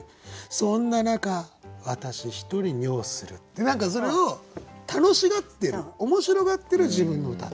そんな中私「ひとり尿する」って何かそれを楽しがってる面白がってる自分の歌と。